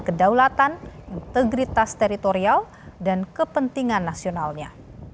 kedaulatan integritas teritorial dan kepentingan nasionalnya